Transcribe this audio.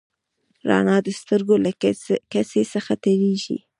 رڼا د سترګو له کسي څخه تېرېږي.